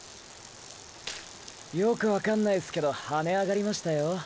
よくわかんないすけどハネ上がりましたよ